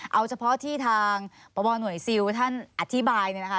เอาเฉพาะที่ทางประบอบหน่วยซิวท่านอธิบายนะคะ